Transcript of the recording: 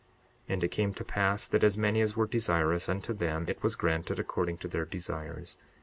62:28 And it came to pass that as many as were desirous, unto them it was granted according to their desires.